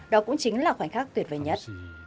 đó cũng chính là khoảnh khắc tuyệt vời nhất